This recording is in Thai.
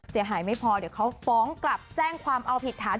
เสียหายไม่พอเดี๋ยวเขาฟ้องกลับแจ้งความเอาผิดฐาน